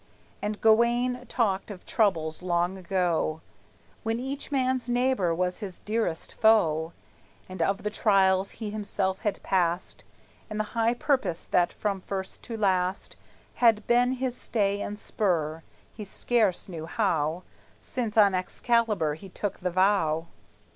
And Gawayne talked of troubles long ago, When each man's neighbor was his dearest foe, And of the trials he himself had passed, And the high purpose that from first to last Had been his stay and spur, he scarce knew how, Since on Excalibur he took the vow.